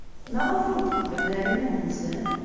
Maɣef ur d-qeddmen ara iman-nsen?